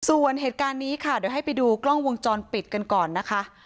ส่วนเหตุการณ์นี้ค่ะเดี๋ยวให้ไปดูกล้องวงจรปิดกันก่อนนะคะ